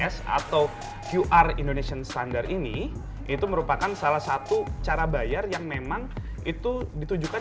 s atau qr indonesian standard ini itu merupakan salah satu cara bayar yang memang itu ditujukan